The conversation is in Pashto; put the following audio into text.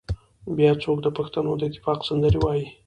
بيا څوک د پښتنو د اتفاق سندرې وايي